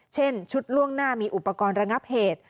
เช่นชุดล่วงหน้ามีอุปกรณ์ระงับเหตุ